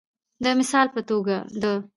د مثال په توګه د